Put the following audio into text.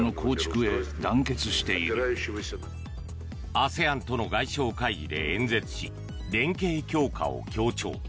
ＡＳＥＡＮとの外相会議で演説し連携強化を強調。